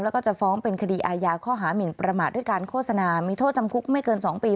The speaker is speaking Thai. แล้วก็จะฟ้องเป็นคดีอาญาข้อหามินประมาทด้วยการโฆษณามีโทษจำคุกไม่เกิน๒ปี